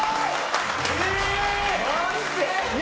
・すごい！